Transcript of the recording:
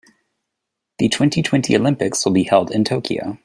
The twenty-twenty Olympics will be held in Tokyo.